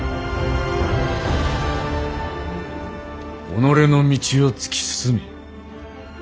己の道を突き進め。